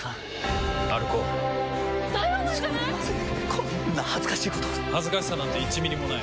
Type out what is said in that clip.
こんな恥ずかしいこと恥ずかしさなんて１ミリもない。